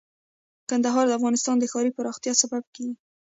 کندهار د افغانستان د ښاري پراختیا سبب کېږي.